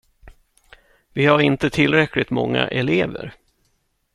Vi har inte tillräckligt många elever.